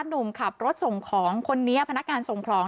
หนุ่มขับรถส่งของคนนี้พนักงานส่งของ